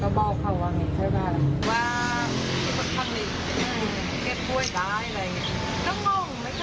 กลับว่ามึงจะไปเป็นพยานที่อาจารย์ปริชา